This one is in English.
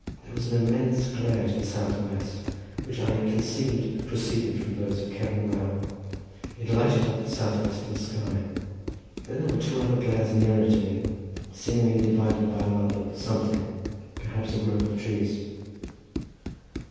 There was an immense glare to the south west, which I conceived proceeded from those of Cefn Mawr. It lighted up the south western sky; then there were two other glares nearer to me, seemingly divided by a lump of something, perhaps a grove of trees.